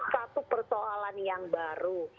satu persoalan yang baru